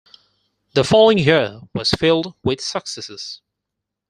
The following year was filled with successes.